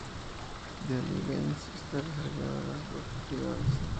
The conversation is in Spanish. Deadline Games está desarrollando las dos propiedades.